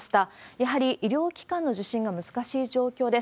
やはり医療機関の受診が難しい状況です。